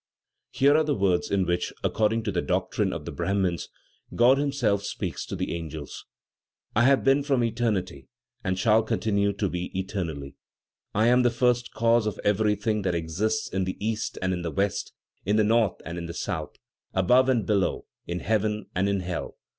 Here are the words in which, according to the doctrine of the Brahmins, God Himself speaks to the angels: "I have been from eternity, and shall continue to be eternally. I am the first cause of everything that exists in the East and in the West, in the North and in the South, above and below, in heaven and in hell.